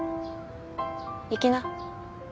行きな。